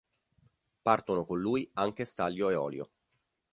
Partono con lui anche Stanlio e Ollio.